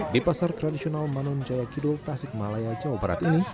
di pasar tradisional manun jaya kidul tasik malaya jawa barat ini